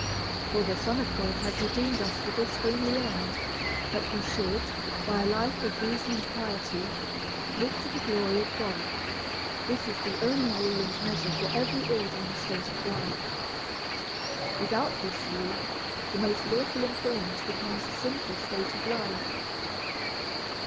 For tlie Son of God has redeemed us for this only end, that we should, by a life of reason and piety, live to the glory of God. This is the only rule and measure for every order and state of life. Without this rule, the most lawful employment becomes a sinful state of life.